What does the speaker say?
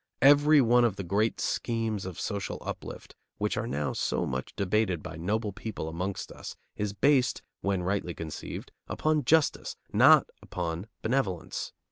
Every one of the great schemes of social uplift which are now so much debated by noble people amongst us is based, when rightly conceived, upon justice, not upon benevolence.